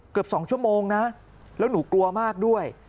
เกือบ๒ชั่วโมงนะแล้วหนูกลัวมากด้วย